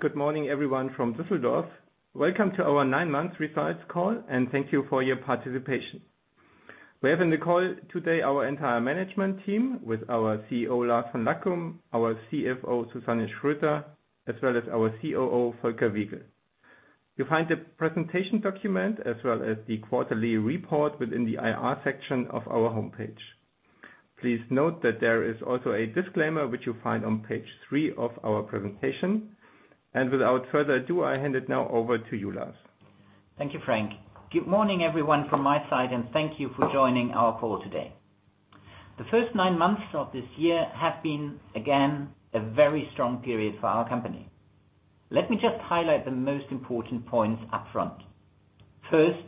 Good morning, everyone from Düsseldorf. Welcome to our nine-month results call, and thank you for your participation. We have in the call today our entire management team with our CEO, Lars von Lackum, our CFO, Susanne Schröter-Crossan, as well as our COO, Volker Wiegel. You'll find the presentation document as well as the quarterly report within the IR section of our homepage. Please note that there is also a disclaimer which you'll find on page three of our presentation. Without further ado, I hand it now over to you, Lars. Thank you, Frank. Good morning everyone from my side, and thank you for joining our call today. The first nine months of this year have been, again, a very strong period for our company. Let me just highlight the most important points up front. First,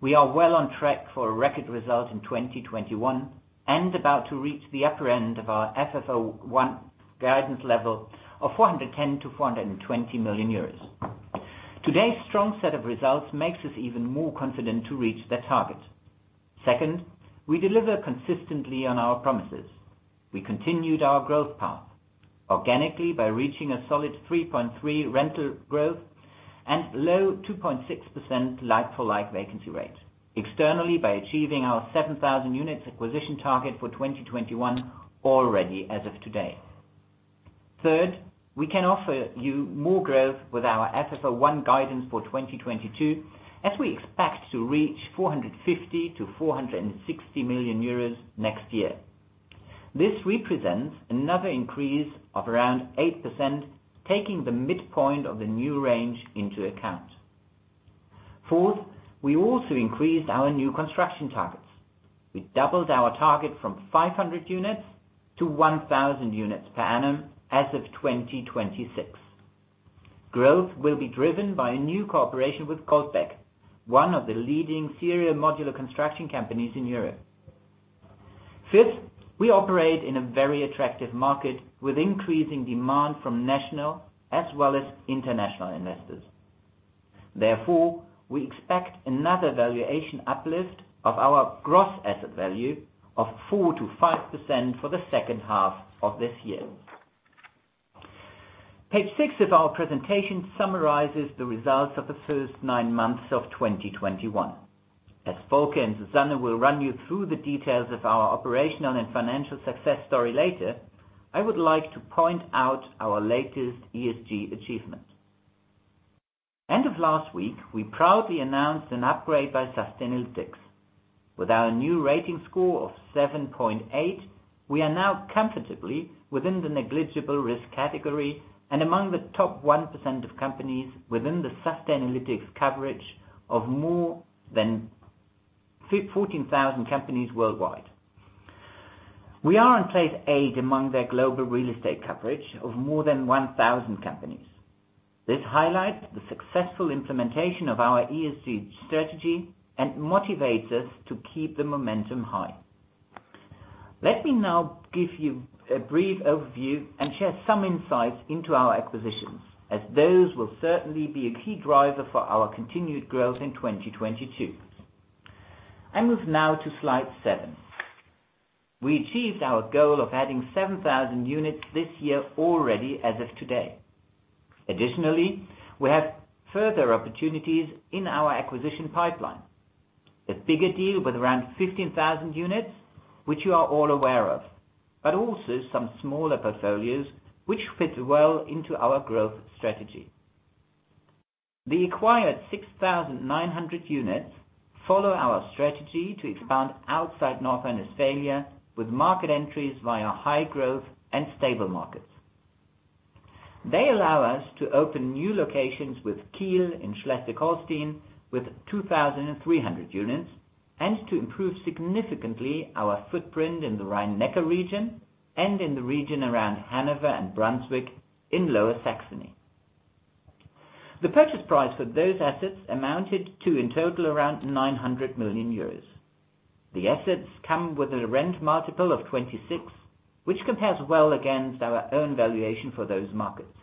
we are well on track for a record result in 2021, and about to reach the upper end of our FFO I guidance level of 410 million-420 million euros. Today's strong set of results makes us even more confident to reach that target. Second, we deliver consistently on our promises. We continued our growth path organically by reaching a solid 3.3% rental growth and low 2.6% like-for-like vacancy rate. Externally by achieving our 7,000 units acquisition target for 2021 already as of today. Third, we can offer you more growth with our FFO I guidance for 2022, as we expect to reach 450 million-460 million euros next year. This represents another increase of around 8%, taking the midpoint of the new range into account. Fourth, we also increased our new construction targets. We doubled our target from 500 units - 1,000 units per annum as of 2026. Growth will be driven by a new cooperation with Goldbeck, one of the leading serial modular construction companies in Europe. Fifth, we operate in a very attractive market with increasing demand from national as well as international investors. Therefore, we expect another valuation uplift of our gross asset value of 4%-5% for the second half of this year. Page six of our presentation summarizes the results of the first nine months of 2021. As Volker and Susanne will run you through the details of our operational and financial success story later, I would like to point out our latest ESG achievement. End of last week, we proudly announced an upgrade by Sustainalytics. With our new rating score of 7.8, we are now comfortably within the negligible risk category and among the top 1% of companies within the Sustainalytics coverage of more than 14,000 companies worldwide. We are in 8th place among their global real estate coverage of more than 1,000 companies. This highlights the successful implementation of our ESG strategy and motivates us to keep the momentum high. Let me now give you a brief overview and share some insights into our acquisitions, as those will certainly be a key driver for our continued growth in 2022. I move now to slide seven. We achieved our goal of adding 7,000 units this year already as of today. Additionally, we have further opportunities in our acquisition pipeline. A bigger deal with around 15,000 units, which you are all aware of, but also some smaller portfolios which fit well into our growth strategy. The acquired 6,900 units follow our strategy to expand outside North Rhine-Westphalia with market entries via high growth and stable markets. They allow us to open new locations with Kiel in Schleswig-Holstein with 2,300 units, and to improve significantly our footprint in the Rhine-Neckar region and in the region around Hanover and Brunswick in Lower Saxony. The purchase price for those assets amounted to, in total, around 900 million euros. The assets come with a rent multiple of 26, which compares well against our own valuation for those markets.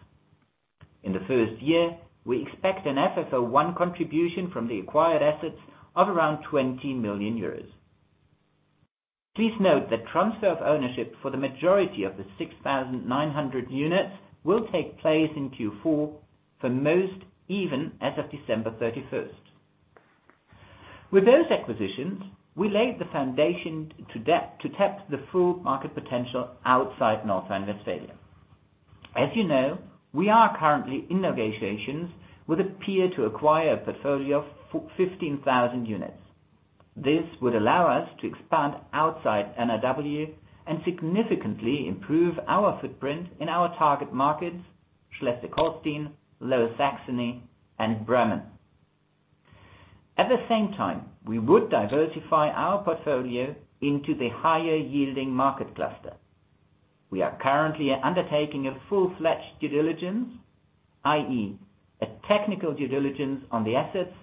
In the first year, we expect an FFO one contribution from the acquired assets of around 20 million euros. Please note that transfer of ownership for the majority of the 6,900 units will take place in Q4, for most even as of December 31st. With those acquisitions, we laid the foundation to tap the full market potential outside North Rhine-Westphalia. As you know, we are currently in negotiations with a peer to acquire a portfolio of 15,000 units. This would allow us to expand outside NRW and significantly improve our footprint in our target markets, Schleswig-Holstein, Lower Saxony, and Bremen. At the same time, we would diversify our portfolio into the higher yielding market cluster. We are currently undertaking a full-fledged due diligence, i.e., a technical due diligence on the assets,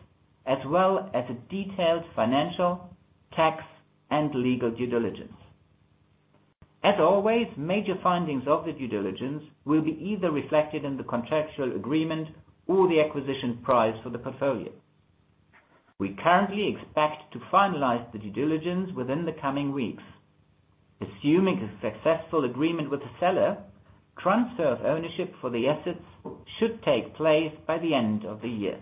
as well as a detailed financial, tax, and legal due diligence. As always, major findings of the due diligence will be either reflected in the contractual agreement or the acquisition price for the portfolio. We currently expect to finalize the due diligence within the coming weeks. Assuming a successful agreement with the seller, transfer of ownership for the assets should take place by the end of the year.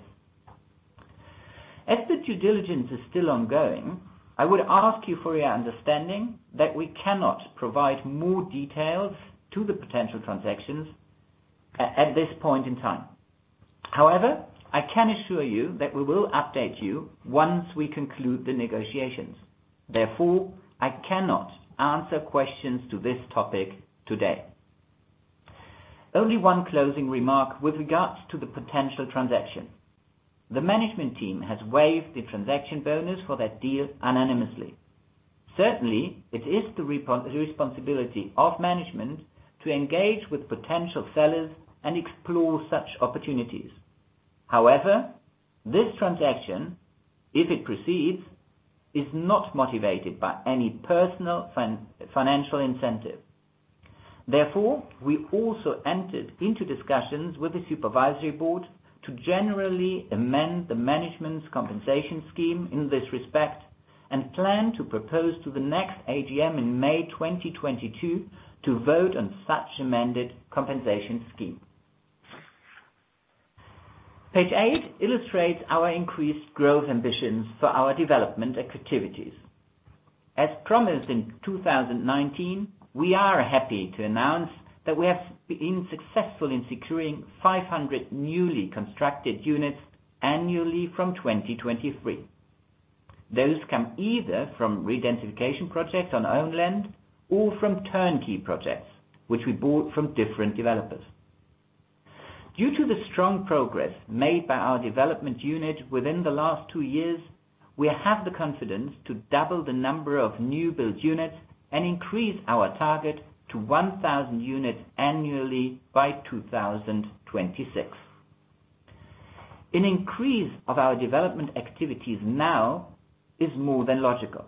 As the due diligence is still ongoing, I would ask you for your understanding that we cannot provide more details to the potential transactions at this point in time. However, I can assure you that we will update you once we conclude the negotiations. Therefore, I cannot answer questions to this topic today. Only one closing remark with regards to the potential transaction. The management team has waived the transaction bonus for that deal unanimously. Certainly, it is the responsibility of management to engage with potential sellers and explore such opportunities. However, this transaction, if it proceeds, is not motivated by any personal financial incentive. Therefore, we also entered into discussions with the supervisory board to generally amend the management's compensation scheme in this respect, and plan to propose to the next AGM in May 2022 to vote on such amended compensation scheme. Page eight illustrates our increased growth ambitions for our development activities. As promised in 2019, we are happy to announce that we have been successful in securing 500 newly constructed units annually from 2023. Those come either from re-densification projects on our own land or from turnkey projects which we bought from different developers. Due to the strong progress made by our development unit within the last two years, we have the confidence to double the number of new build units and increase our target to 1,000 units annually by 2026. An increase of our development activities now is more than logical.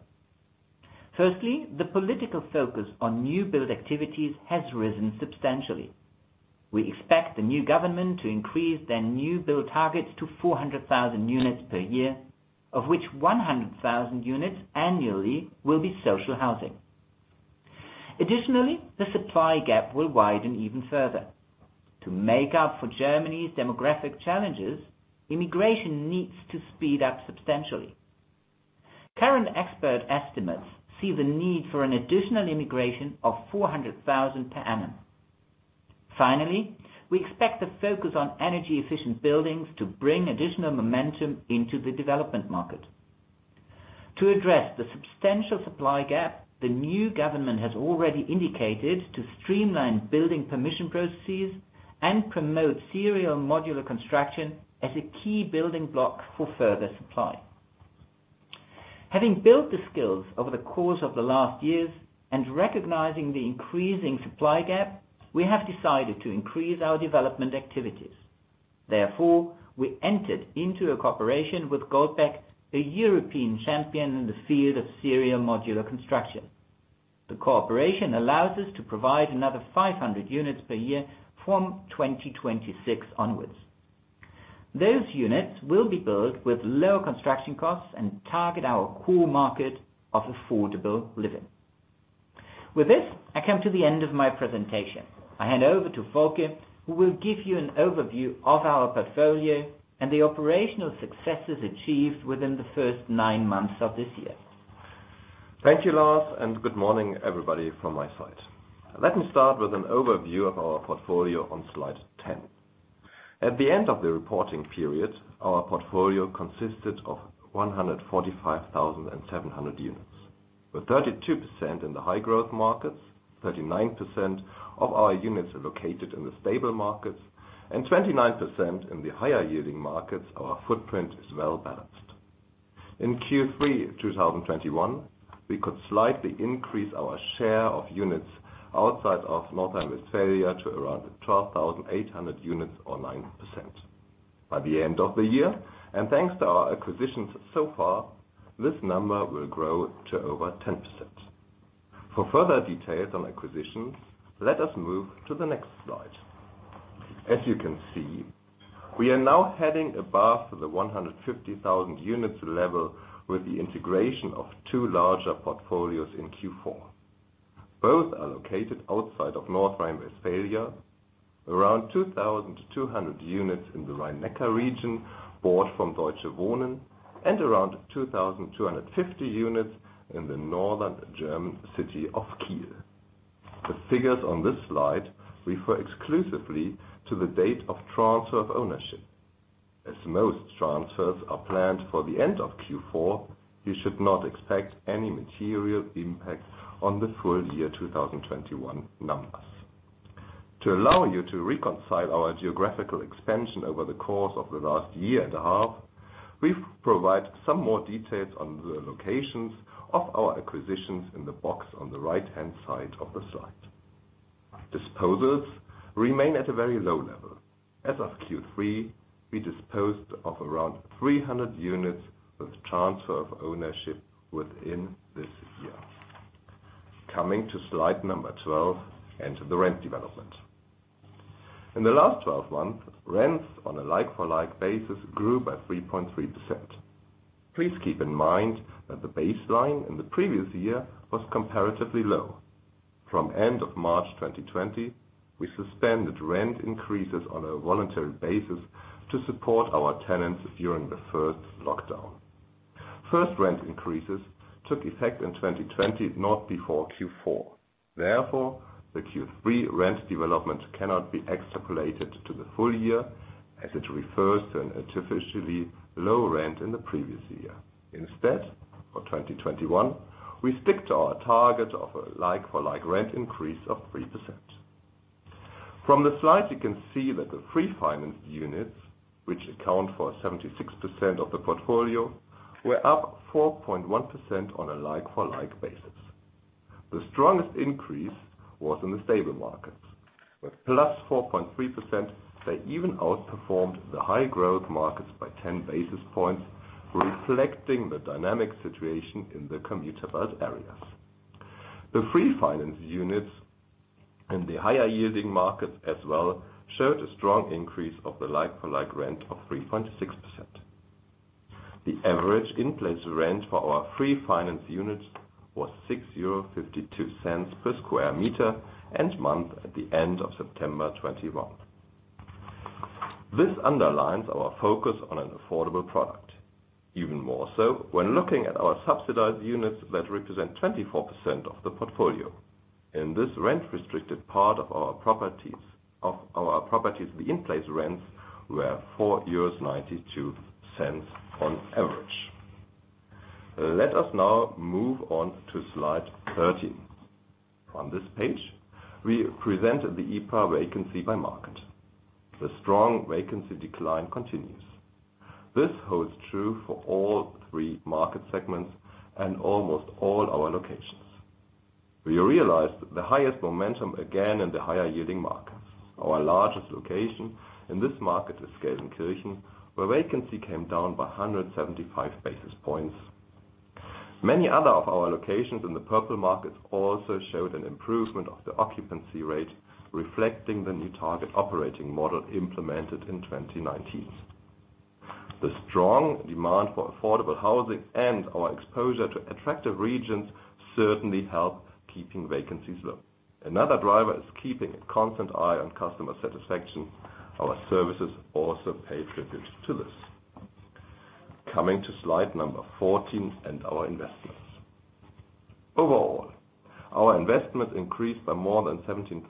Firstly, the political focus on new build activities has risen substantially. We expect the new government to increase their new build targets to 400,000 units per year, of which 100,000 units annually will be social housing. Additionally, the supply gap will widen even further. To make up for Germany's demographic challenges, immigration needs to speed up substantially. Current expert estimates see the need for an additional immigration of 400,000 per annum. Finally, we expect the focus on energy efficient buildings to bring additional momentum into the development market. To address the substantial supply gap, the new government has already indicated to streamline building permission processes and promote serial modular construction as a key building block for further supply. Having built the skills over the course of the last years and recognizing the increasing supply gap, we have decided to increase our development activities. Therefore, we entered into a cooperation with Goldbeck, a European champion in the field of serial modular construction. The cooperation allows us to provide another 500 units per year from 2026 onwards. Those units will be built with lower construction costs and target our core market of affordable living. With this, I come to the end of my presentation. I hand over to Volker, who will give you an overview of our portfolio and the operational successes achieved within the first nine months of this year. Thank you, Lars, and good morning, everybody, from my side. Let me start with an overview of our portfolio on slide 10. At the end of the reporting period, our portfolio consisted of 145,700 units, with 32% in the high growth markets, 39% of our units are located in the stable markets, and 29% in the higher-yielding markets. Our footprint is well balanced. In Q3 2021, we could slightly increase our share of units outside of North Rhine-Westphalia to around 12,800 units or 9%. By the end of the year, and thanks to our acquisitions so far, this number will grow to over 10%. For further details on acquisitions, let us move to the next slide. As you can see, we are now heading above the 150,000 units level with the integration of two larger portfolios in Q4. Both are located outside of North Rhine-Westphalia, around 2,200 units in the Rhine-Neckar region bought from Deutsche Wohnen and around 2,250 units in the northern German city of Kiel. The figures on this slide refer exclusively to the date of transfer of ownership. As most transfers are planned for the end of Q4, you should not expect any material impact on the full year 2021 numbers. To allow you to reconcile our geographical expansion over the course of the last year and a half, we've provided some more details on the locations of our acquisitions in the box on the right-hand side of the slide. Disposals remain at a very low level. As of Q3, we disposed of around 300 units with transfer of ownership within this year. Coming to slide 12 and the rent development. In the last 12 months, rents on a like-for-like basis grew by 3.3%. Please keep in mind that the baseline in the previous year was comparatively low. From end of March 2020, we suspended rent increases on a voluntary basis to support our tenants during the first lockdown. First rent increases took effect in 2020, not before Q4. Therefore, the Q3 rent developments cannot be extrapolated to the full year as it refers to an artificially low rent in the previous year. Instead, for 2021, we stick to our target of a like-for-like rent increase of 3%. From the slide, you can see that the free-financed units, which account for 76% of the portfolio, were up 4.1% on a like-for-like basis. The strongest increase was in the stable markets. With +4.3%, they even outperformed the high growth markets by 10 basis points, reflecting the dynamic situation in the commuter belt areas. The free-financed units in the higher yielding markets as well showed a strong increase of the like-for-like rent of 3.6%. The average in-place rent for our free-financed units was 6.52 euro per sq m and month at the end of September 2021. This underlines our focus on an affordable product. Even more so when looking at our subsidized units that represent 24% of the portfolio. In this rent restricted part of our properties, the in-place rents were 4.92 euros on average. Let us now move on to slide 13. From this page, we present the EPRA vacancy by market. The strong vacancy decline continues. This holds true for all three market segments and almost all our locations. We realized the highest momentum again in the higher yielding markets. Our largest location in this market is Gelsenkirchen, where vacancy came down by 175 basis points. Many other of our locations in the purple markets also showed an improvement of the occupancy rate, reflecting the new target operating model implemented in 2019. The strong demand for affordable housing and our exposure to attractive regions certainly help keeping vacancies low. Another driver is keeping a constant eye on customer satisfaction. Our services also pay tribute to this. Coming to slide 14 and our investments. Overall, our investments increased by more than 17%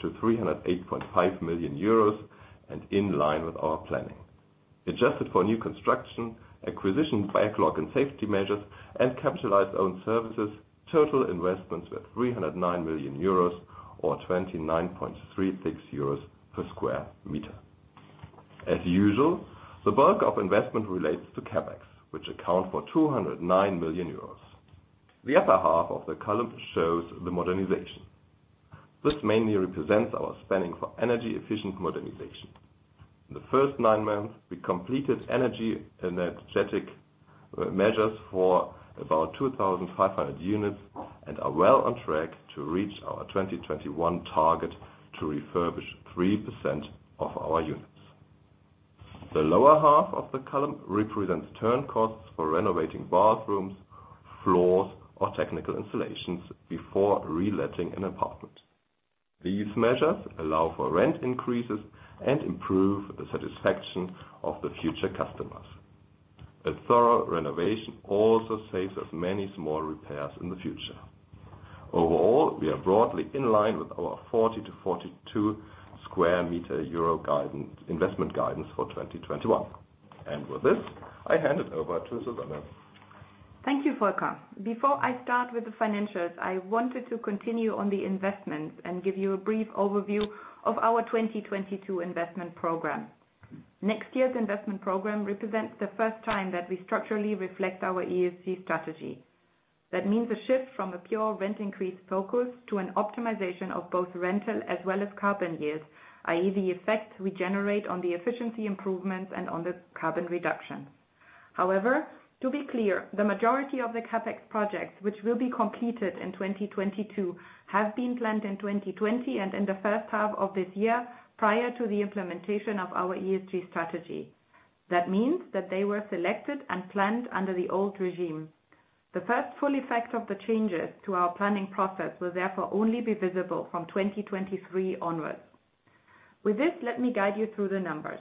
to 308.5 million euros and in line with our planning. Adjusted for new construction, acquisition backlog, and safety measures, and capitalized own services, total investments were 309 million euros or 29.36 million euros per sq m. As usual, the bulk of investment relates to CapEx, which account for 209 million euros. The other half of the column shows the modernization. This mainly represents our spending for energy efficient modernization. The first nine months, we completed energy and energetic measures for about 2,500 units and are well on track to reach our 2021 target to refurbish 3% of our units. The lower half of the column represents turn costs for renovating bathrooms, floors, or technical installations before re-letting an apartment. These measures allow for rent increases and improve the satisfaction of the future customers. A thorough renovation also saves us many small repairs in the future. Overall, we are broadly in line with our 40 - 42 EUR per sq m guidance, investment guidance for 2021. With this, I hand it over to Susanne. Thank you, Volker. Before I start with the financials, I wanted to continue on the investments and give you a brief overview of our 2022 investment program. Next year's investment program represents the first time that we structurally reflect our ESG strategy. That means a shift from a pure rent increase focus to an optimization of both rental as well as carbon yields, i.e., the effect we generate on the efficiency improvements and on the carbon reduction. However, to be clear, the majority of the CapEx projects which will be completed in 2022 have been planned in 2020 and in the first half of this year prior to the implementation of our ESG strategy. That means that they were selected and planned under the old regime. The first full effect of the changes to our planning process will therefore only be visible from 2023 onwards. With this, let me guide you through the numbers.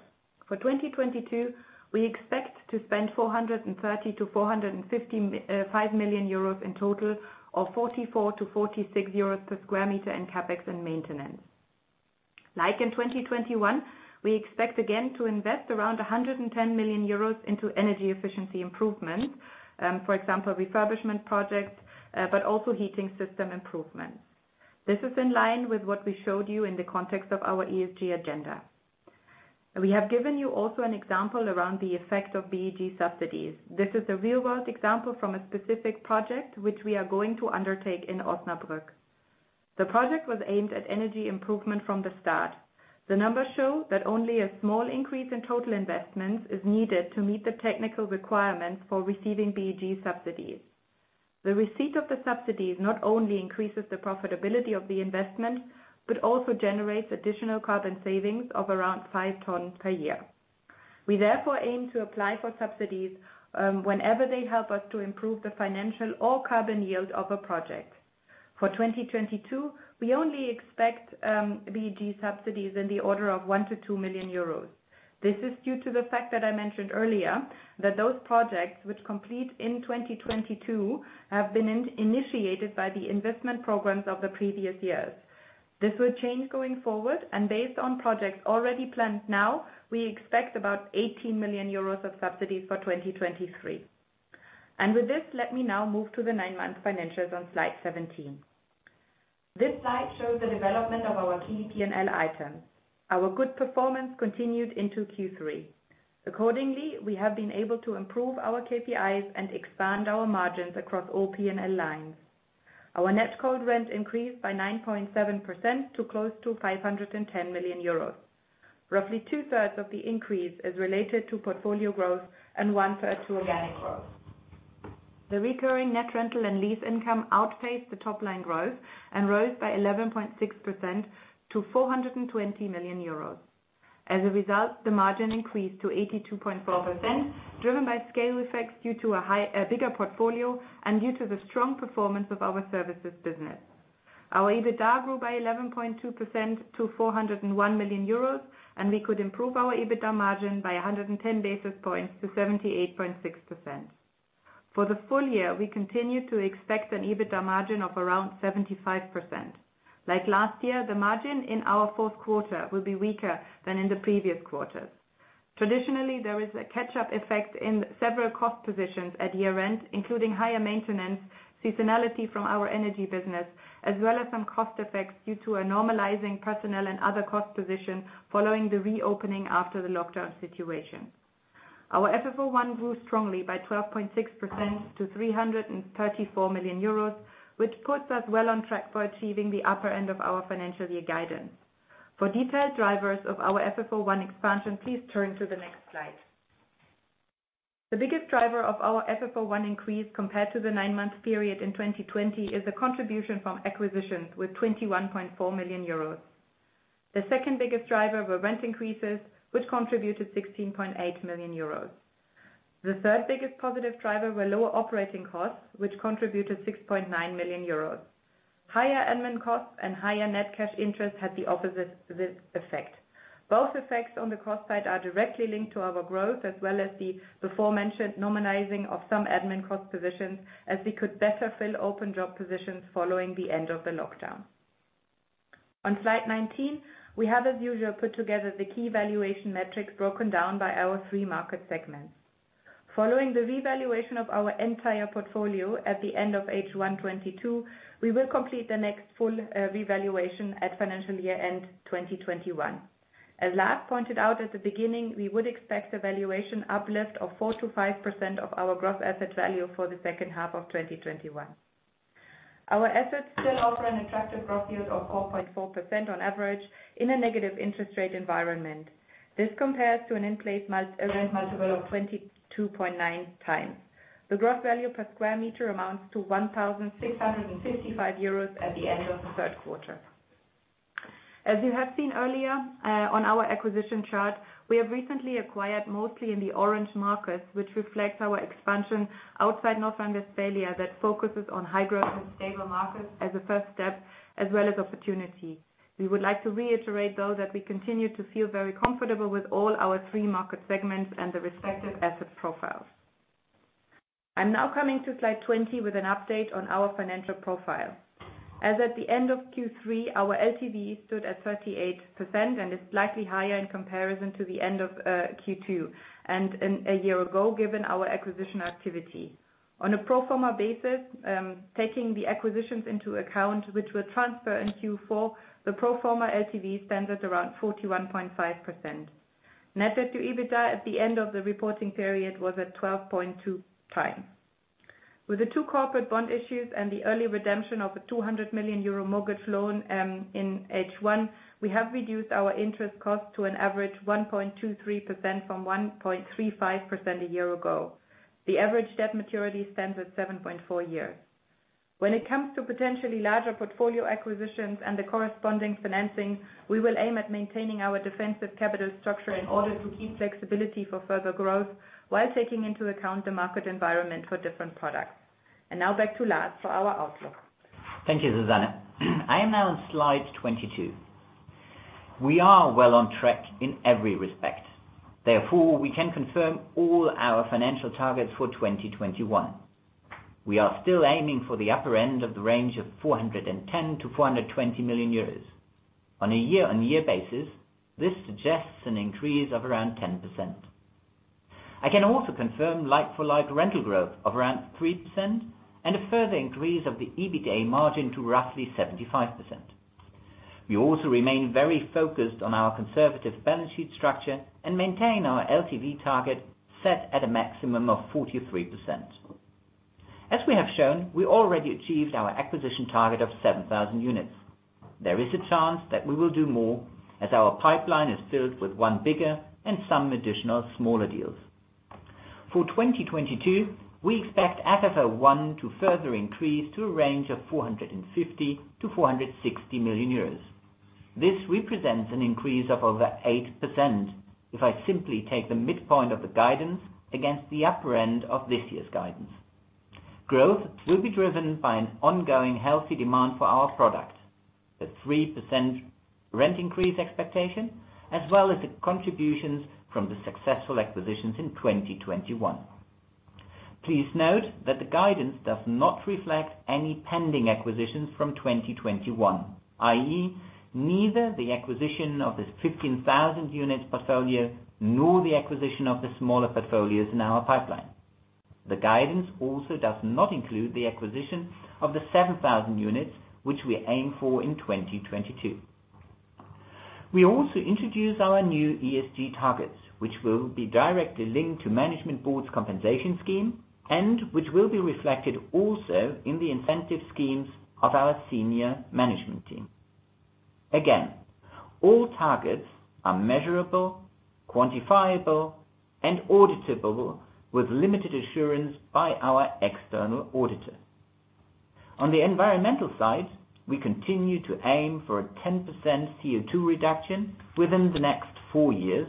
For 2022, we expect to spend 430 million-455 million euros in total or 44-46 euros per sq m in CapEx and maintenance. Like in 2021, we expect again to invest around 110 million euros into energy efficiency improvements, for example, refurbishment projects, but also heating system improvements. This is in line with what we showed you in the context of our ESG agenda. We have given you also an example around the effect of BEG subsidies. This is a real world example from a specific project which we are going to undertake in Osnabrück. The project was aimed at energy improvement from the start. The numbers show that only a small increase in total investments is needed to meet the technical requirements for receiving BEG subsidies. The receipt of the subsidies not only increases the profitability of the investment, but also generates additional carbon savings of around 5 tons per year. We therefore aim to apply for subsidies whenever they help us to improve the financial or carbon yield of a project. For 2022, we only expect BEG subsidies in the order of 1 million-2 million euros. This is due to the fact that I mentioned earlier, that those projects which complete in 2022 have been initiated by the investment programs of the previous years. This will change going forward, and based on projects already planned now, we expect about 18 million euros of subsidies for 2023. With this, let me now move to the 9-month financials on slide 17. This slide shows the development of our key P&L items. Our good performance continued into Q3. Accordingly, we have been able to improve our KPIs and expand our margins across all P&L lines. Our net cold rent increased by 9.7% to close to 510 million euros. Roughly two-thirds of the increase is related to portfolio growth and 1/3 to organic growth. The recurring net rental and lease income outpaced the top line growth and rose by 11.6% to 420 million euros. As a result, the margin increased to 82.4%, driven by scale effects due to a bigger portfolio and due to the strong performance of our services business. Our EBITDA grew by 11.2% to 401 million euros, and we could improve our EBITDA margin by 110 basis points to 78.6%. For the full year, we continue to expect an EBITDA margin of around 75%. Like last year, the margin in our fourth quarter will be weaker than in the previous quarters. Traditionally, there is a catch-up effect in several cost positions at year-end, including higher maintenance, seasonality from our energy business, as well as some cost effects due to a normalizing personnel and other cost position following the reopening after the lockdown situation. Our FFO I grew strongly by 12.6% to 334 million euros, which puts us well on track for achieving the upper end of our financial year guidance. For detailed drivers of our FFO I expansion, please turn to the next slide. The biggest driver of our FFO I increase compared to the nine-month period in 2020 is the contribution from acquisitions with 21.4 million euros. The second biggest driver were rent increases, which contributed 16.8 million euros. The third biggest positive driver were lower operating costs, which contributed 6.9 million euros. Higher admin costs and higher net cash interest had the opposite effect. Both effects on the cost side are directly linked to our growth, as well as the before mentioned normalizing of some admin cost positions, as we could better fill open job positions following the end of the lockdown. On slide 19, we have, as usual, put together the key valuation metrics broken down by our three market segments. Following the revaluation of our entire portfolio at the end of H1 2022, we will complete the next full revaluation at financial year end 2021. As Lars pointed out at the beginning, we would expect a valuation uplift of 4%-5% of our gross asset value for the second half of 2021. Our assets still offer an attractive growth yield of 4.4% on average in a negative interest rate environment. This compares to an in-place rent multiple of 22.9x. The gross value per sq m amounts to 1,655 euros at the end of the third quarter. As you have seen earlier, on our acquisition chart, we have recently acquired mostly in the orange markets, which reflects our expansion outside North Rhine-Westphalia that focuses on high growth and stable markets as a first step, as well as opportunities. We would like to reiterate, though, that we continue to feel very comfortable with all our three market segments and the respective asset profiles. I'm now coming to slide 20 with an update on our financial profile. As at the end of Q3, our LTV stood at 38% and is slightly higher in comparison to the end of Q2, and in a year ago, given our acquisition activity. On a pro forma basis, taking the acquisitions into account, which will transfer in Q4, the pro forma LTV stands at around 41.5%. Net debt to Adjusted EBITDA at the end of the reporting period was at 12.2x. With the two corporate bond issues and the early redemption of the 200 million euro mortgage loan in H1, we have reduced our interest costs to an average 1.23% from 1.35% a year ago. The average debt maturity stands at 7.4 years. When it comes to potentially larger portfolio acquisitions and the corresponding financing, we will aim at maintaining our defensive capital structure in order to keep flexibility for further growth while taking into account the market environment for different products. Now back to Lars for our outlook. Thank you, Susanne. I am now on slide 22. We are well on track in every respect. Therefore, we can confirm all our financial targets for 2021. We are still aiming for the upper end of the range of 410 million-420 million euros. On a YoY basis, this suggests an increase of around 10%. I can also confirm like-for-like rental growth of around 3% and a further increase of the EBITDA margin to roughly 75%. We also remain very focused on our conservative balance sheet structure and maintain our LTV target set at a maximum of 43%. As we have shown, we already achieved our acquisition target of 7,000 units. There is a chance that we will do more as our pipeline is filled with one bigger and some additional smaller deals. For 2022, we expect FFO I to further increase to a range of 450 million-460 million euros. This represents an increase of over 8%, if I simply take the midpoint of the guidance against the upper end of this year's guidance. Growth will be driven by an ongoing healthy demand for our product, the 3% rent increase expectation, as well as the contributions from the successful acquisitions in 2021. Please note that the guidance does not reflect any pending acquisitions from 2021, i.e. neither the acquisition of this 15,000 units portfolio nor the acquisition of the smaller portfolios in our pipeline. The guidance also does not include the acquisition of the 7,000 units, which we aim for in 2022. We also introduce our new ESG targets, which will be directly linked to Management Board's compensation scheme and which will be reflected also in the incentive schemes of our Senior Management Team. Again, all targets are measurable, quantifiable, and auditable with limited assurance by our external auditors. On the environmental side, we continue to aim for a 10% CO2 reduction within the next four years,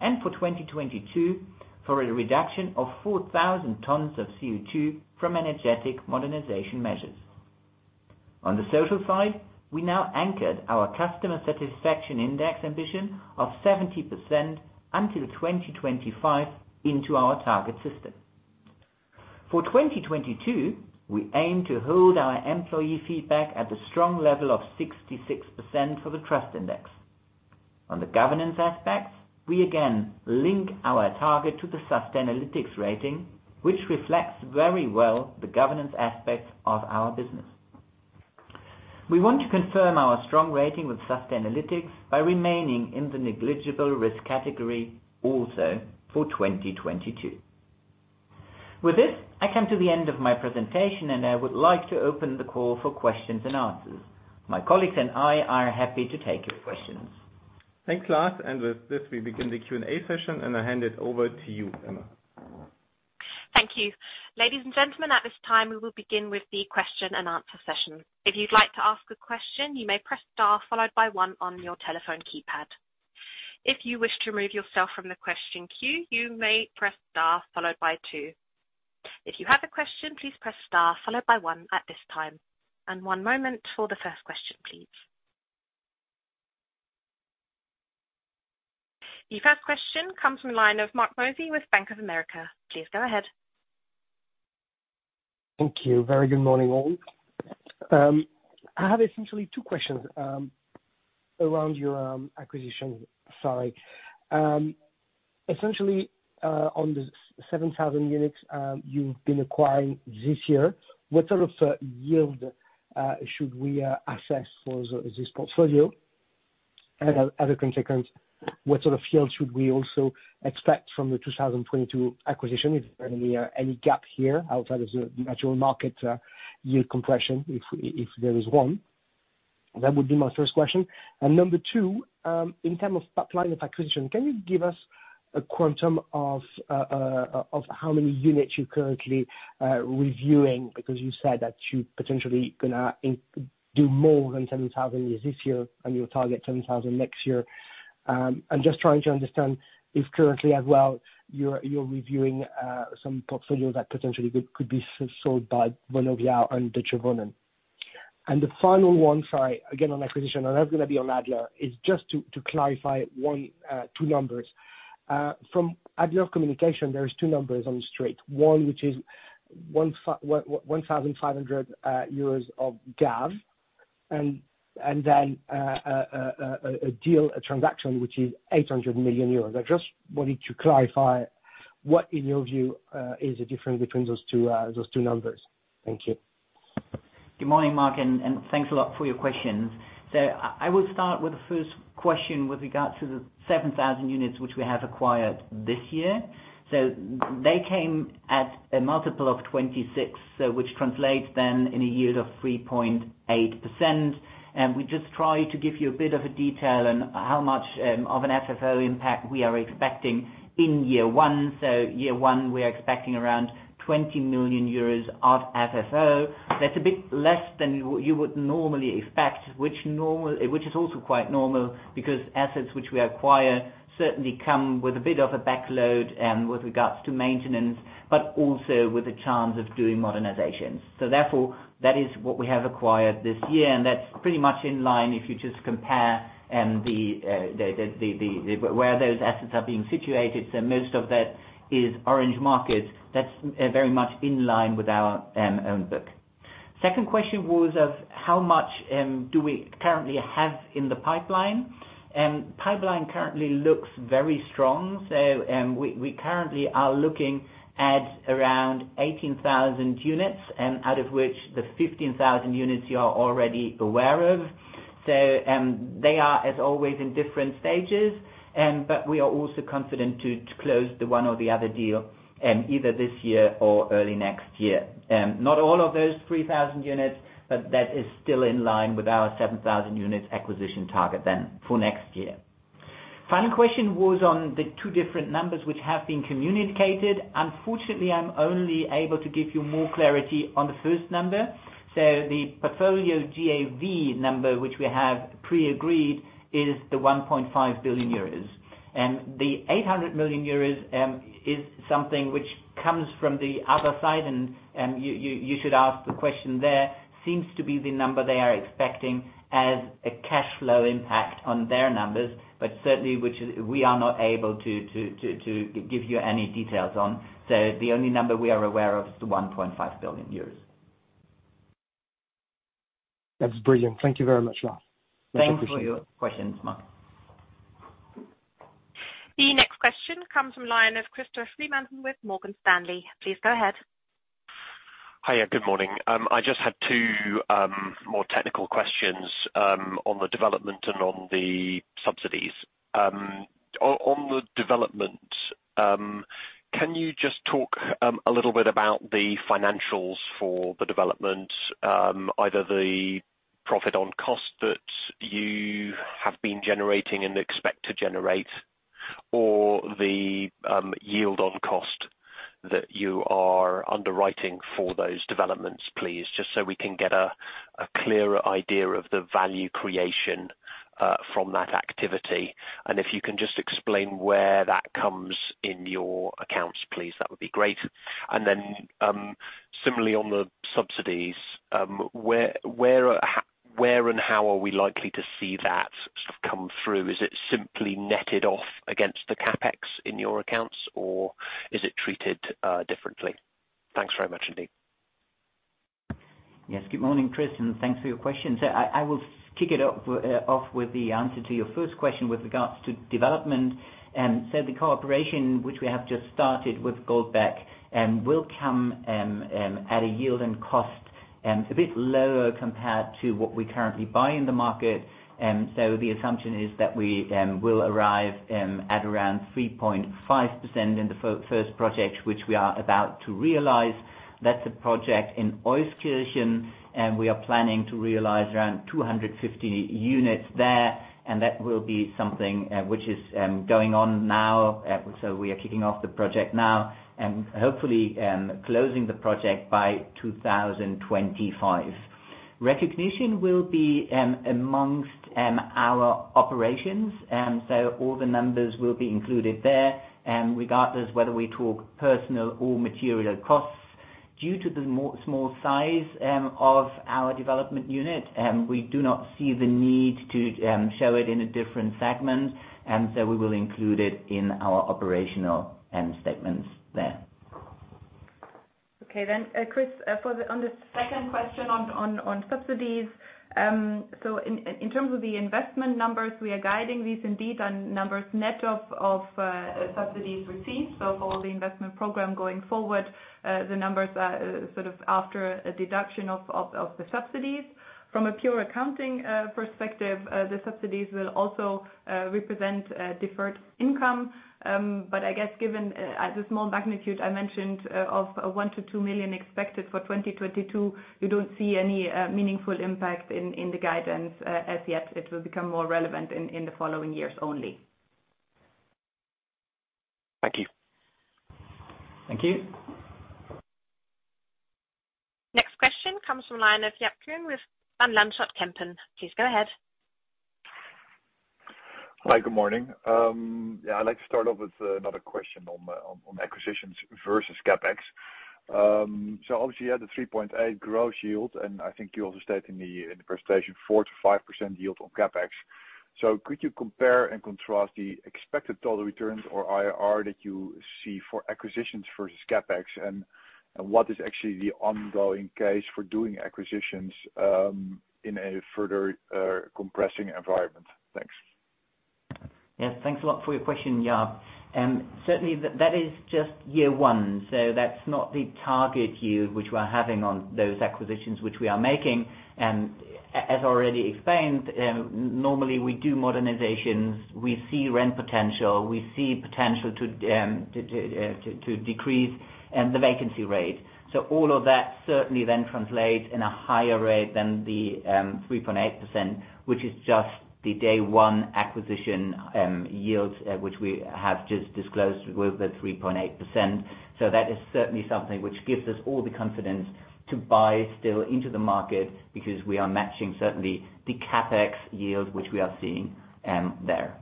and for 2022, for a reduction of 4,000 tons of CO2 from energetic modernization measures. On the social side, we now anchored our customer satisfaction index ambition of 70% until 2025 into our target system. For 2022, we aim to hold our employee feedback at a strong level of 66% for the Trust Index. On the governance aspect, we again link our target to the Sustainalytics rating, which reflects very well the governance aspect of our business. We want to confirm our strong rating with Sustainalytics by remaining in the negligible risk category also for 2022. With this, I come to the end of my presentation, and I would like to open the call for questions and answers. My colleagues and I are happy to take your questions. Thanks, Lars. With this, we begin the Q&A session, and I hand it over to you, Emma. Thank you. Ladies and gentlemen, at this time, we will begin with the Q&A session. If you'd like to ask a question, you may press star followed by one on your telephone keypad. If you wish to remove yourself from the question queue, you may press star followed by two. If you have a question, please press star followed by one at this time. One moment for the first question, please. The first question comes from the line of Marc Mozzi with Bank of America. Please go ahead. Thank you. Very good morning, all. I have essentially two questions around your acquisition. Sorry. Essentially, on the 7,000 units you've been acquiring this year, what sort of yield should we assess for this portfolio? As a consequence, what sort of yield should we also expect from the 2022 acquisition if any gap here outside of the natural market yield compression if there is one? That would be my first question. Number two, in terms of pipeline of acquisition, can you give us a quantum of how many units you're currently reviewing? Because you said that you potentially gonna do more than 7,000 this year and you'll target 7,000 next year. I'm just trying to understand if currently as well, you're reviewing some portfolios that potentially could be sold by Vonovia and Deutsche Wohnen. The final one, sorry, again, on acquisition, and that's gonna be on Adler, is just to clarify one, two numbers. From Adler communication, there are two numbers on the street. One which is 1,500 million euros of GAV and then a deal, a transaction which is 800 million euros. I just wanted to clarify what in your view is the difference between those two, those two numbers. Thank you. Good morning, Marc, and thanks a lot for your questions. I will start with the first question with regards to the 7,000 units which we have acquired this year. They came at a multiple of 26, which translates then in a yield of 3.8%. We just try to give you a bit of a detail on how much of an FFO impact we are expecting in year one. Year one, we are expecting around 20 million euros of FFO. That's a bit less than you would normally expect, which is also quite normal because assets which we acquire certainly come with a bit of a backload with regards to maintenance, but also with a chance of doing modernizations. Therefore, that is what we have acquired this year, and that's pretty much in line if you just compare where those assets are being situated. Most of that is orange markets. That's very much in line with our own book. Second question was of how much do we currently have in the pipeline. Pipeline currently looks very strong. We currently are looking at around 18,000 units, out of which the 15,000 units you are already aware of. They are, as always, in different stages. But we are also confident to close the one or the other deal, either this year or early next year. Not all of those 3,000 units, but that is still in line with our 7,000 units acquisition target then for next year. Final question was on the two different numbers which have been communicated. Unfortunately, I'm only able to give you more clarity on the first number. The portfolio GAV number, which we have pre-agreed, is the 1.5 billion euros. The 800 million euros is something which comes from the other side, and you should ask the question there, seems to be the number they are expecting as a cash flow impact on their numbers, but certainly we are not able to give you any details on. The only number we are aware of is the 1.5 billion euros. That's brilliant. Thank you very much, Lars. Thanks for your questions, Marc. The next question comes from line of Christopher Fremantle with Morgan Stanley. Please go ahead. Hi, yeah, good morning. I just had two more technical questions on the development and on the subsidies. On the development, can you just talk a little bit about the financials for the development, either the profit on cost that you have been generating and expect to generate or the yield on cost that you are underwriting for those developments, please? Just so we can get a clearer idea of the value creation from that activity. If you can just explain where that comes in your accounts, please, that would be great. Similarly on the subsidies, where and how are we likely to see that sort of come through? Is it simply netted off against the CapEx in your accounts, or is it treated differently? Thanks very much indeed. Yes. Good morning, Chris, and thanks for your question. I will kick it off with the answer to your first question with regards to development. The cooperation which we have just started with GOLDBECK will come at a yield on cost a bit lower compared to what we currently buy in the market. The assumption is that we will arrive at around 3.5% in the first project, which we are about to realize. That's a project in Euskirchen, and we are planning to realize around 250 units there, and that will be something which is going on now. We are kicking off the project now and hopefully closing the project by 2025. Recognition will be among our operations, so all the numbers will be included there, regardless whether we talk personnel or material costs. Due to the small size of our development unit, we do not see the need to show it in a different segment, and so we will include it in our operational statements there. Okay. Chris, on the second question on subsidies. In terms of the investment numbers, we are guiding these indeed on numbers net of subsidies received. For the investment program going forward, the numbers are sort of after a deduction of the subsidies. From a pure accounting perspective, the subsidies will also represent deferred income. I guess given the small magnitude I mentioned of 1 million-2 million expected for 2022, you don't see any meaningful impact in the guidance as yet. It will become more relevant in the following years only. Thank you. Thank you. Next question comes from the line of Jaap Kuin with Van Lanschot Kempen. Please go ahead. Hi, good morning. Yeah, I'd like to start off with another question on acquisitions versus CapEx. Obviously you had the 3.8 gross yield, and I think you also stated in the presentation 4%-5% yield on CapEx. Could you compare and contrast the expected total returns or IRR that you see for acquisitions versus CapEx, and what is actually the ongoing case for doing acquisitions in a further compression environment? Thanks. Yes. Thanks a lot for your question, Jaap. Certainly that is just year one, so that's not the target yield which we're having on those acquisitions which we are making. As already explained, normally we do modernizations, we see rent potential, we see potential to decrease the vacancy rate. So all of that certainly then translates in a higher rate than the 3.8%, which is just the day one acquisition yields which we have just disclosed with the 3.8%. So that is certainly something which gives us all the confidence to buy still into the market, because we are matching certainly the CapEx yield, which we are seeing there.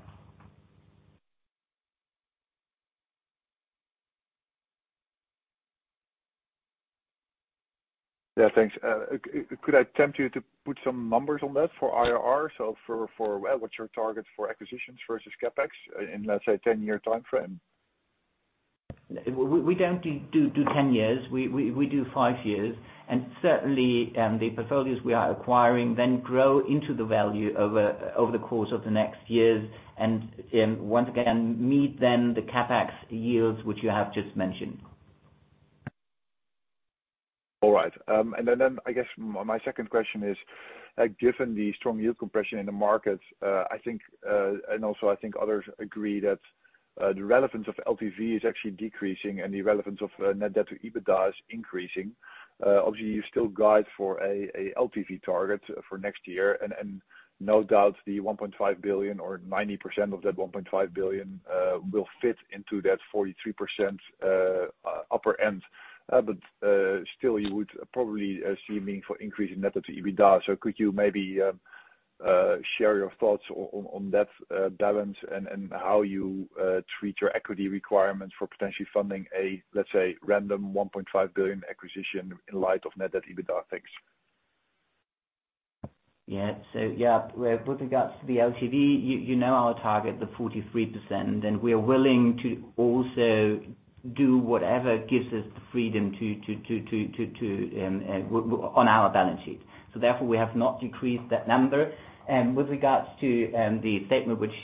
Yeah. Thanks. Could I tempt you to put some numbers on that for IRR? What's your target for acquisitions versus CapEx in, let's say, a 10-year timeframe? We don't do 10 years. We do five years. Certainly, the portfolios we are acquiring then grow into the value over the course of the next years and, once again, meet then the CapEx yields which you have just mentioned. All right. I guess my second question is, given the strong yield compression in the market, I think, and also I think others agree that the relevance of LTV is actually decreasing and the relevance of net debt to Adjusted EBITDA is increasing. Obviously you still guide for a LTV target for next year, and no doubt the 1.5 billion or 90% of that 1.5 billion will fit into that 43% upper end. Still, you would probably see a meaningful increase in net debt to Adjusted EBITDA. Could you maybe share your thoughts on that balance and how you treat your equity requirements for potentially funding a, let's say, random 1.5 billion acquisition in light of net debt to Adjusted EBITDA? Thanks. With regard to the LTV, you know our target, the 43%, and we are willing to also do whatever gives us the freedom to work on our balance sheet. Therefore, we have not decreased that number. With regard to the statement which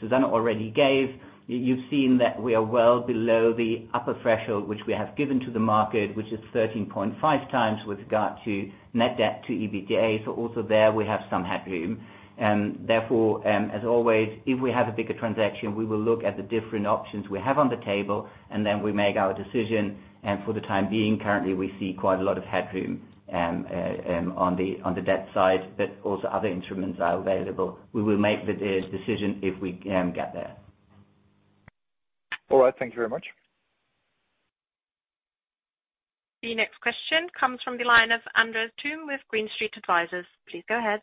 Susanne already gave, you've seen that we are well below the upper threshold which we have given to the market, which is 13.5 times with regard to net debt to Adjusted EBITDA. Also there, we have some headroom. Therefore, as always, if we have a bigger transaction, we will look at the different options we have on the table, and then we make our decision. For the time being, currently, we see quite a lot of headroom on the debt side, but also other instruments are available. We will make the decision if we get there. All right. Thank you very much. The next question comes from the line of Andres Toome with Green Street Advisors. Please go ahead.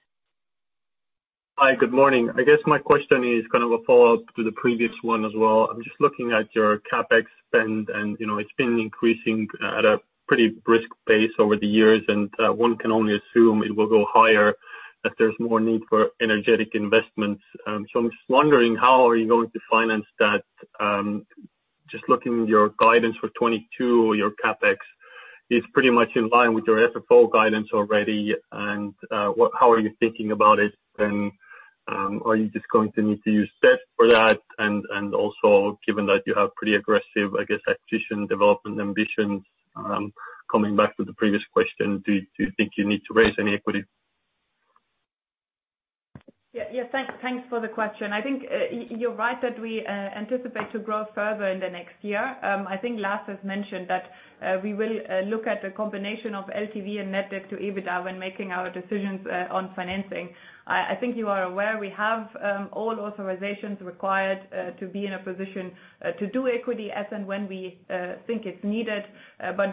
Hi, good morning. I guess my question is kind of a follow-up to the previous one as well. I'm just looking at your CapEx spend and, you know, it's been increasing at a pretty brisk pace over the years, and one can only assume it will go higher if there's more need for energetic investments. So I'm just wondering how are you going to finance that? Just looking at your guidance for 2022, your CapEx is pretty much in line with your FFO guidance already. How are you thinking about it then? Are you just going to need to use debt for that? And also given that you have pretty aggressive, I guess, acquisition development ambitions, coming back to the previous question, do you think you need to raise any equity? Yeah. Thanks for the question. I think, you're right that we anticipate to grow further in the next year. I think Lars has mentioned that we will look at a combination of LTV and net debt to Adjusted EBITDA when making our decisions on financing. I think you are aware we have all authorizations required to be in a position to do equity as and when we think it's needed.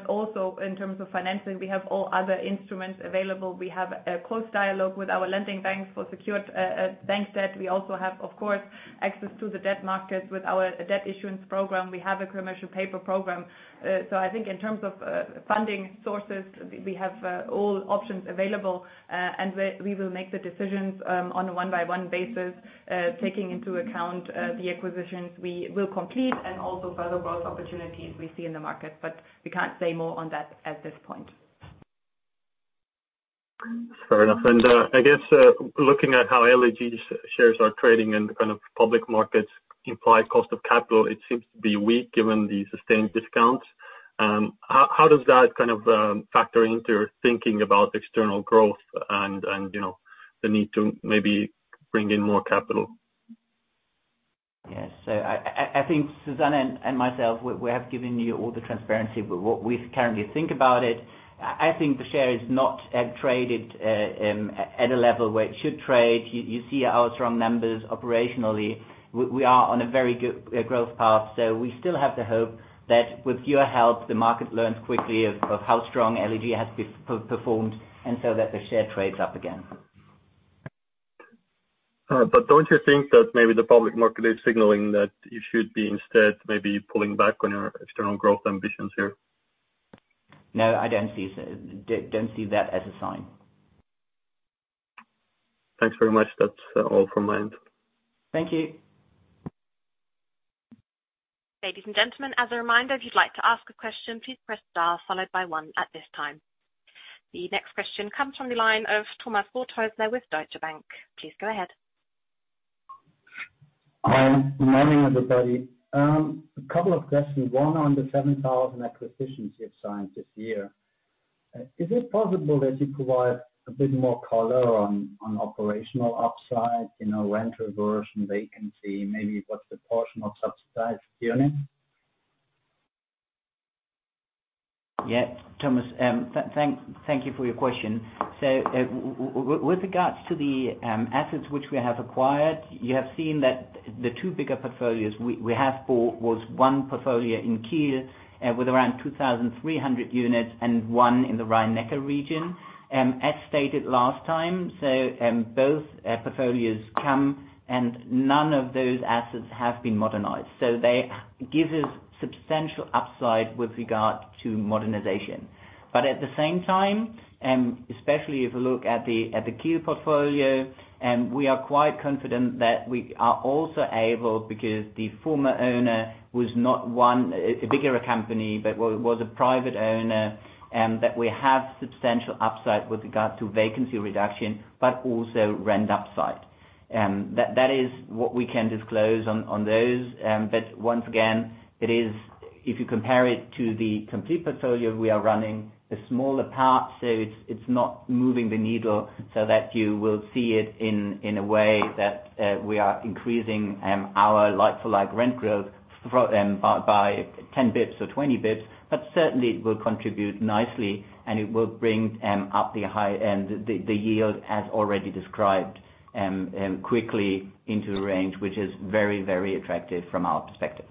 Also in terms of financing, we have all other instruments available. We have a close dialogue with our lending banks for secured bank debt. We also have, of course, access to the debt markets with our Debt Issuance Programme. We have a commercial paper program. I think in terms of funding sources, we have all options available, and we will make the decisions on a one-by-one basis, taking into account the acquisitions we will complete and also further growth opportunities we see in the market. We can't say more on that at this point. Fair enough. I guess looking at how LEG shares are trading in the kind of public markets imply cost of capital, it seems to be weak given the sustained discounts. How does that kind of factor into your thinking about external growth and you know, the need to maybe bring in more capital? Yes. I think Susanne and myself, we have given you all the transparency with what we currently think about it. I think the share is not traded at a level where it should trade. You see our strong numbers operationally. We are on a very good growth path. We still have the hope that with your help, the market learns quickly of how strong LEG has performed, and so that the share trades up again. Don't you think that maybe the public market is signaling that you should be instead maybe pulling back on your external growth ambitions here? No, I don't see so. Don't see that as a sign. Thanks very much. That's all from my end. Thank you. Ladies and gentlemen, as a reminder, if you'd like to ask a question, please press star followed by one at this time. The next question comes from the line of Thomas Neuhold with Deutsche Bank. Please go ahead. Hi. Good morning, everybody. A couple of questions. One on the 7,000 acquisitions you've signed this year. Is it possible that you provide a bit more color on operational upside, you know, rent reversion, vacancy, maybe what's the portion of subsidized units? Yeah. Thomas, thank you for your question. With regards to the assets which we have acquired, you have seen that the two bigger portfolios we have bought was one portfolio in Kiel with around 2,300 units and one in the Rhine-Neckar region. As stated last time, both portfolios come, and none of those assets have been modernized. They give us substantial upside with regard to modernization. But at the same time, especially if you look at the Kiel portfolio, we are quite confident that we are also able, because the former owner was not one bigger company, but was a private owner, that we have substantial upside with regard to vacancy reduction, but also rent upside. That is what we can disclose on those. Once again, if you compare it to the complete portfolio, we are running a smaller part, so it's not moving the needle so that you will see it in a way that we are increasing our like-for-like rent growth by 10 basis points or 20 basis points. Certainly it will contribute nicely, and it will bring up the high end, the yield as already described quickly into the range, which is very, very attractive from our perspective.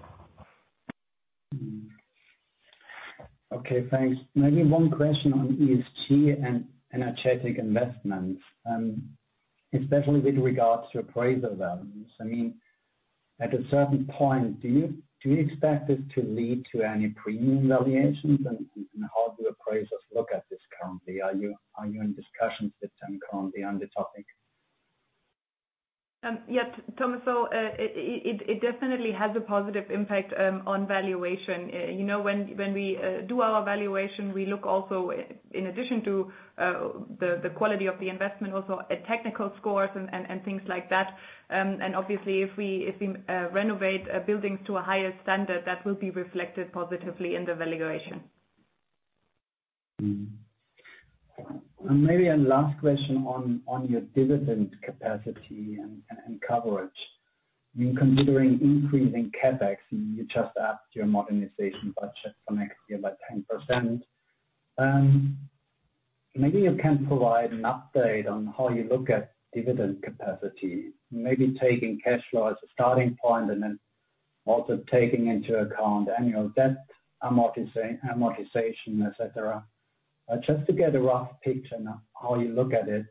Okay, thanks. Maybe one question on ESG and energy investments, especially with regards to appraisal values. I mean, at a certain point, do you expect this to lead to any premium valuations and how do appraisers look at this currently? Are you in discussions with them currently on the topic? Yes, Thomas. It definitely has a positive impact on valuation. You know, when we do our valuation, we look also in addition to the quality of the investment, also at technical scores and things like that. Obviously if we renovate buildings to a higher standard, that will be reflected positively in the valuation. Maybe a last question on your dividend capacity and coverage. In considering increasing CapEx, you just upped your modernization budget for next year by 10%. Maybe you can provide an update on how you look at dividend capacity, maybe taking cash flow as a starting point and then also taking into account annual debt amortization, etc.. Just to get a rough picture on how you look at it,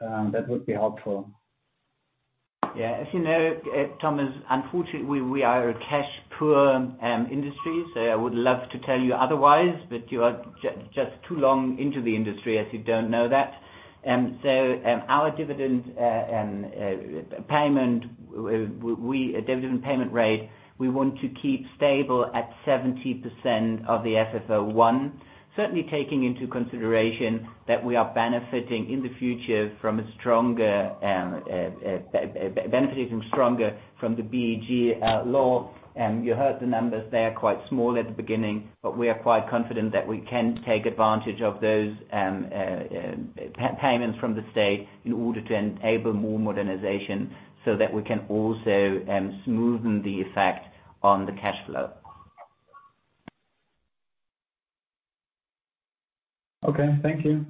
that would be helpful. Yeah. As you know, Thomas, unfortunately, we are a cash-poor industry. I would love to tell you otherwise, but you are just too long into the industry, as you don't know that. Our dividend payment rate, we want to keep stable at 70% of the FFO I. Certainly taking into consideration that we are benefiting in the future from stronger benefiting from the BEG law. You heard the numbers there, quite small at the beginning, but we are quite confident that we can take advantage of those payments from the state in order to enable more modernization so that we can also smoothen the effect on the cash flow. Okay. Thank you.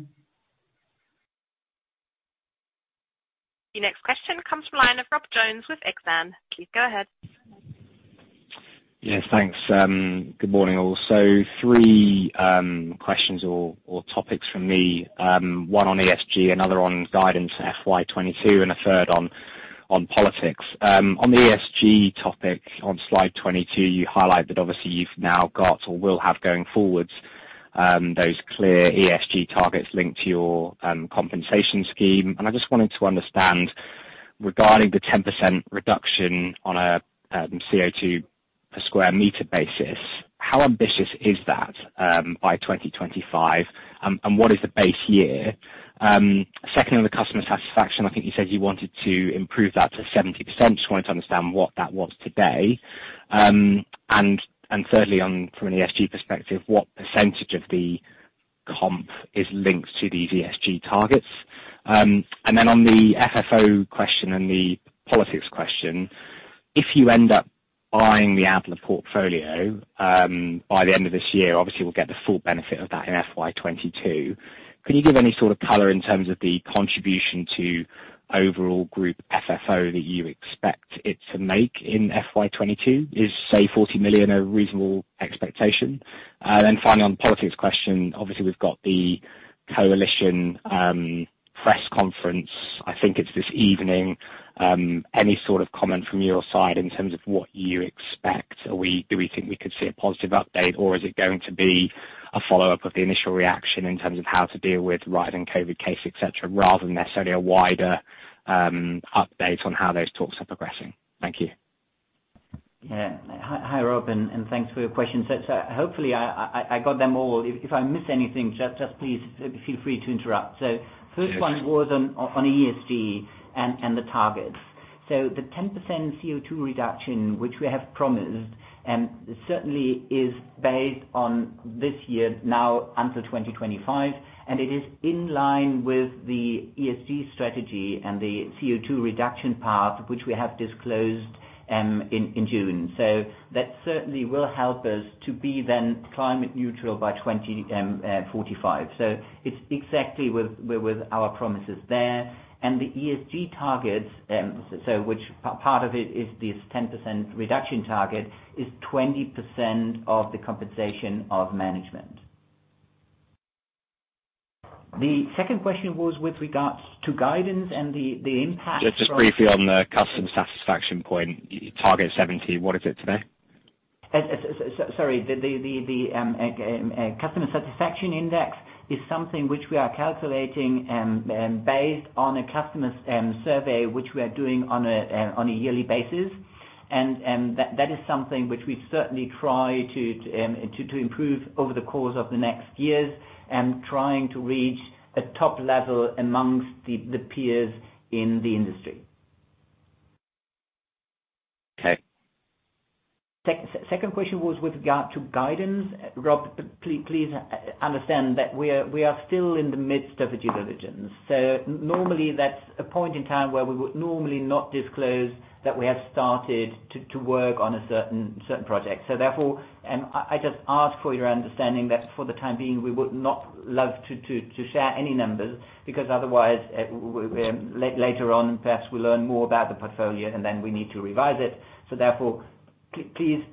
The next question comes from the line of Rob Jones with Exane. Please go ahead. Good morning, all. Three questions or topics from me, one on ESG, another on guidance FY 2022, and a third on politics. On the ESG topic on slide 22, you highlight that obviously you've now got or will have going forwards, those clear ESG targets linked to your compensation scheme. I just wanted to understand regarding the 10% reduction on a CO2 per square meter basis, how ambitious is that by 2025? And what is the base year? Second on the customer satisfaction, I think you said you wanted to improve that to 70%. Just wanted to understand what that was today. And thirdly, from an ESG perspective, what percentage of the comp is linked to these ESG targets? On the FFO question and the politics question, if you end up buying the ADLER portfolio by the end of this year, obviously we'll get the full benefit of that in FY 2022. Could you give any sort of color in terms of the contribution to overall group FFO that you expect it to make in FY 2022? Is, say, 40 million a reasonable expectation? Finally on the politics question, obviously we've got the coalition press conference, I think it's this evening. Any sort of comment from your side in terms of what you expect? Do we think we could see a positive update, or is it going to be a follow-up of the initial reaction in terms of how to deal with rising COVID cases, etc., rather than necessarily a wider update on how those talks are progressing? Thank you. Yeah. Hi, Rob, and thanks for your question. Hopefully I got them all. If I miss anything, just please feel free to interrupt. First one was on ESG and the targets. The 10% CO2 reduction, which we have promised, certainly is based on this year now until 2025, and it is in line with the ESG strategy and the CO2 reduction path, which we have disclosed, in June. That certainly will help us to be then climate neutral by 2045. It's exactly with our promises there. The ESG targets, so which part of it is this 10% reduction target, is 20% of the compensation of management. The second question was with regards to guidance and the impact from- Just briefly on the customer satisfaction point, target 70, what is it today? Sorry. The customer satisfaction index is something which we are calculating based on a customer survey which we are doing on a yearly basis. That is something which we certainly try to improve over the course of the next years, trying to reach a top level amongst the peers in the industry. Okay. Second question was with regard to guidance. Rob, please understand that we are still in the midst of a due diligence. Normally that's a point in time where we would normally not disclose that we have started to work on a certain project. Therefore, I just ask for your understanding that for the time being, we would not like to share any numbers because otherwise, we later on, perhaps we learn more about the portfolio and then we need to revise it. Therefore, please,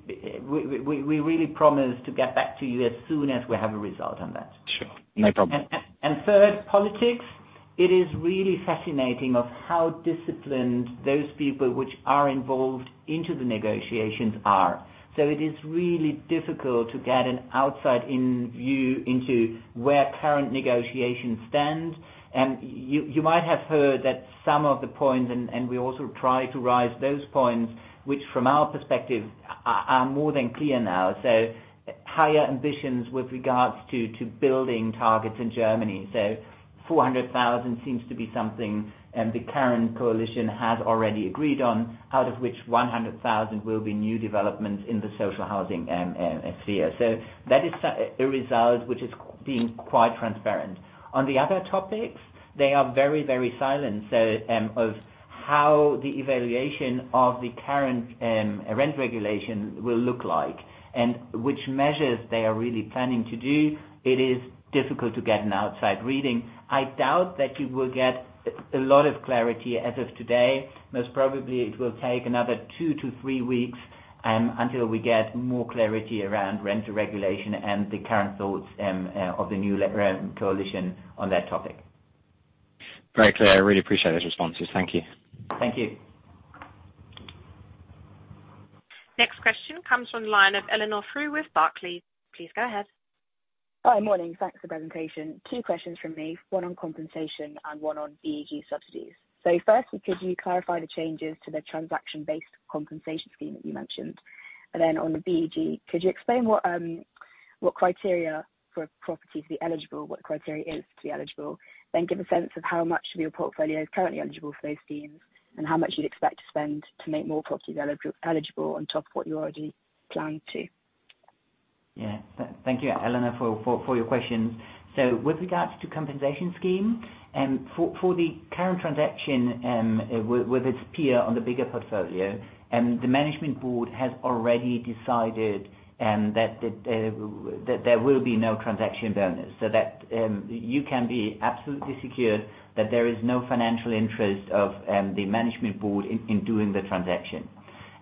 we really promise to get back to you as soon as we have a result on that. Sure. No problem. Third, politics. It is really fascinating how disciplined those people which are involved in the negotiations are. It is really difficult to get an outside-in view into where current negotiations stand. You might have heard that some of the points, and we also try to raise those points, which from our perspective are more than clear now. Higher ambitions with regards to building targets in Germany. 400,000 seems to be something the current coalition has already agreed on, out of which 100,000 will be new developments in the social housing sphere. That is such a result which is being quite transparent. On the other topics, they are very silent. And of how the evaluation of the current rent regulation will look like, and which measures they are really planning to do, it is difficult to get an outside reading. I doubt that you will get a lot of clarity as of today. Most probably it will take another 2 weeks-3 weeks until we get more clarity around rent regulation and the current thoughts of the new coalition on that topic. Very clear. I really appreciate those responses. Thank you. Thank you. Next question comes from the line of Eleanor Sheridan with Barclays. Please go ahead. Hi. Morning. Thanks for the presentation. Two questions from me, one on compensation and one on BEG subsidies. Firstly, could you clarify the changes to the transaction-based compensation scheme that you mentioned? On the BEG, could you explain what the criteria is for a property to be eligible? Give a sense of how much of your portfolio is currently eligible for those schemes, and how much you'd expect to spend to make more properties eligible on top of what you already plan to. Thank you Eleanor for your questions. With regards to compensation scheme for the current transaction with its peer on the bigger portfolio, the Management Board has already decided that there will be no transaction bonus. That you can be absolutely secure that there is no financial interest of the Management Board in doing the transaction.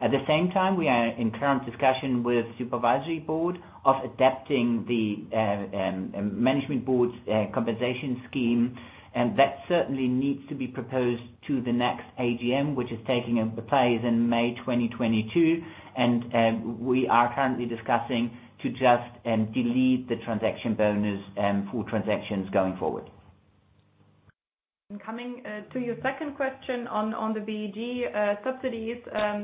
At the same time, we are in current discussion with Supervisory Board on adapting the Management Board's compensation scheme, and that certainly needs to be proposed to the next AGM, which is taking place in May 2022. We are currently discussing to just delete the transaction bonus for transactions going forward. Coming to your second question on the BEG subsidies,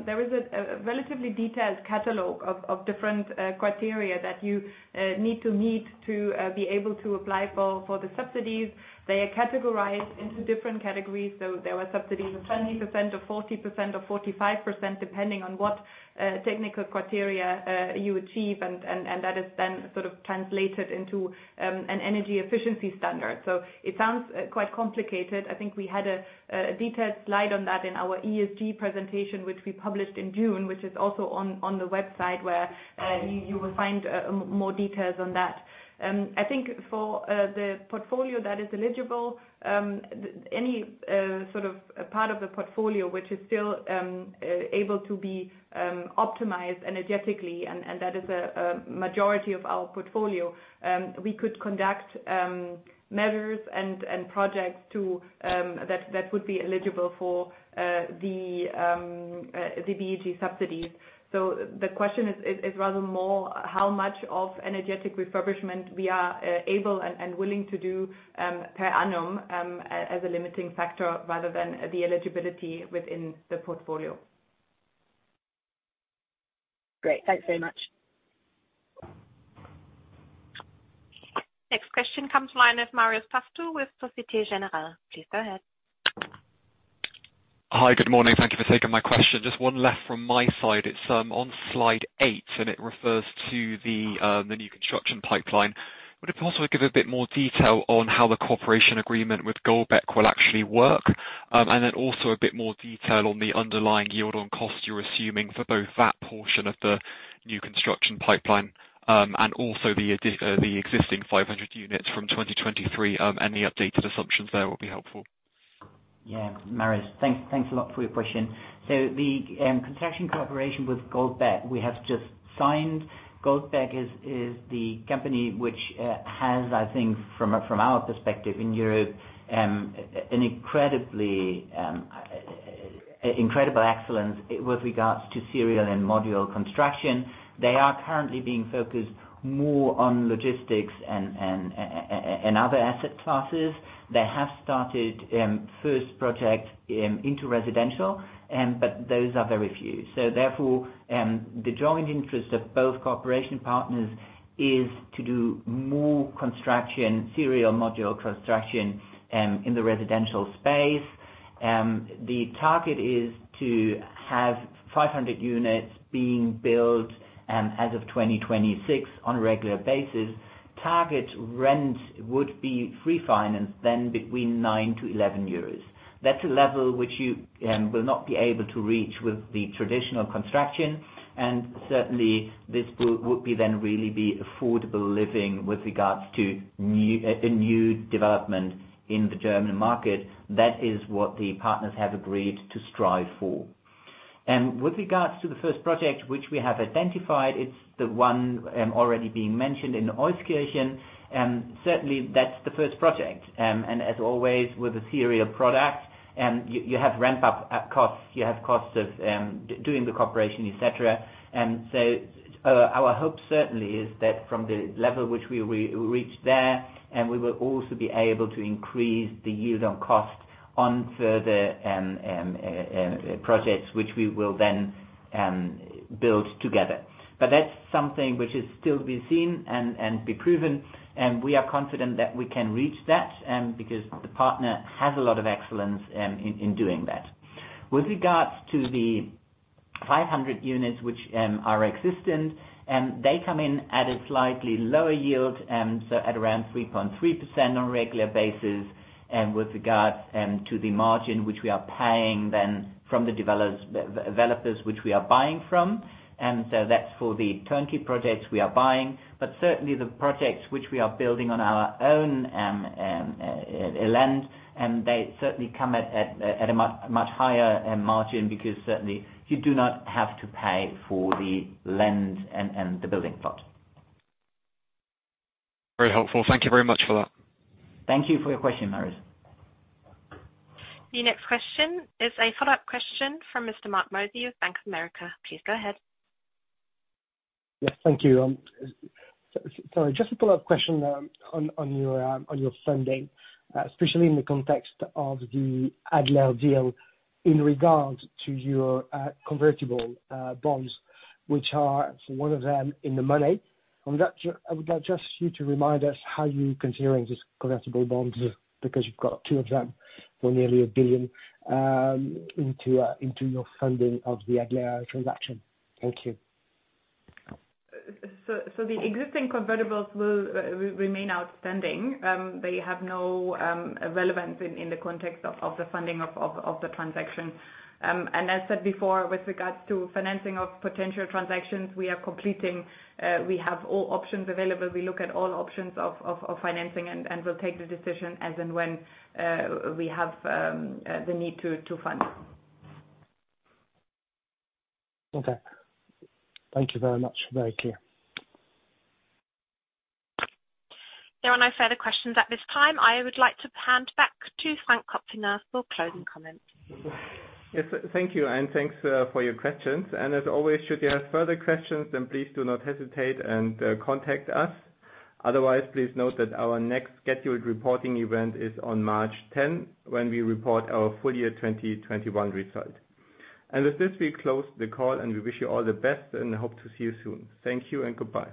there is a relatively detailed catalog of different criteria that you need to meet to be able to apply for the subsidies. They are categorized into different categories. There are subsidies of 20% or 40% or 45%, depending on what technical criteria you achieve. And that is then sort of translated into an energy efficiency standard. It sounds quite complicated. I think we had a detailed slide on that in our ESG presentation, which we published in June, which is also on the website where you will find more details on that. I think for the portfolio that is eligible, any sort of part of the portfolio which is still able to be optimized energetically and that is a majority of our portfolio, we could conduct measures and projects that would be eligible for the BEG subsidies. The question is rather more how much of energetic refurbishment we are able and willing to do per annum as a limiting factor rather than the eligibility within the portfolio. Great. Thanks very much. Next question comes from the line of Marios Pastou with Société Générale. Please go ahead. Hi. Good morning. Thank you for taking my question. Just one left from my side. It's on slide 8, and it refers to the new construction pipeline. Would it possibly give a bit more detail on how the cooperation agreement with GOLDBECK will actually work? Also a bit more detail on the underlying yield on cost you're assuming for both that portion of the new construction pipeline, and also the existing 500 units from 2023, and the updated assumptions there will be helpful. Yeah. Marios, thanks a lot for your question. The construction cooperation with GOLDBECK, we have just signed. GOLDBECK is the company which has, I think from our perspective in Europe, an incredible excellence with regards to serial and modular construction. They are currently being focused more on logistics and other asset classes. They have started first project into residential, but those are very few. The joint interest of both cooperation partners is to do more construction, serial modular construction, in the residential space. The target is to have 500 units being built as of 2026 on a regular basis. Target rent would be pre-financed then between 9-11 euros. That's a level which you will not be able to reach with the traditional construction. Certainly this would then really be affordable living with regards to a new development in the German market. That is what the partners have agreed to strive for. With regards to the first project which we have identified, it's the one already being mentioned in Euskirchen. Certainly that's the first project. As always, with a theory of product, you have ramp up costs, you have costs of doing the cooperation, etc.. Our hope certainly is that from the level which we will reach there, and we will also be able to increase the yield on cost on further projects which we will then build together. That's something which is still to be seen and be proven, and we are confident that we can reach that, because the partner has a lot of excellence in doing that. With regards to the 500 units which are existent, they come in at a slightly lower yield, so at around 3.3% on a regular basis. With regard to the margin which we are paying then from the developers which we are buying from. So that's for the turnkey projects we are buying. Certainly the projects which we are building on our own land, they certainly come at a much higher margin because certainly you do not have to pay for the land and the building plot. Very helpful. Thank you very much for that. Thank you for your question, Marios. The next question is a follow-up question from Mr. Marc Mozzi of Bank of America. Please go ahead. Yes, thank you. Sorry, just a follow-up question on your funding, especially in the context of the Adler deal in regard to your convertible bonds, which are one of them in the money. On that, I would like just you to remind us how you're considering these convertible bonds, because you've got two of them for nearly 1 billion into your funding of the Adler transaction. Thank you. The existing convertibles will remain outstanding. They have no relevance in the context of the funding of the transaction. As said before, with regards to financing of potential transactions we are completing, we have all options available. We look at all options of financing and will take the decision as and when we have the need to fund. Okay. Thank you very much. Very clear. There are no further questions at this time. I would like to hand back to Frank Kopfinger for closing comments. Yes. Thank you, and thanks for your questions. As always, should you have further questions, then please do not hesitate and contact us. Otherwise, please note that our next scheduled reporting event is on March 10 when we report our full year 2021 result. With this we close the call, and we wish you all the best and hope to see you soon. Thank you and goodbye.